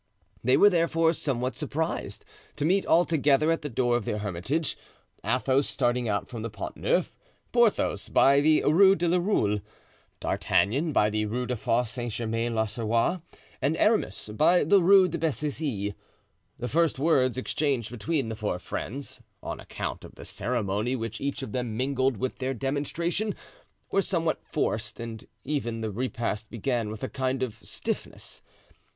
They were, therefore, somewhat surprised to meet altogether at the door of the Hermitage, Athos starting out from the Pont Neuf, Porthos by the Rue de la Roule, D'Artagnan by the Rue des Fosse Saint Germain l'Auxerrois, and Aramis by the Rue de Bethisy. The first words exchanged between the four friends, on account of the ceremony which each of them mingled with their demonstration, were somewhat forced and even the repast began with a kind of stiffness.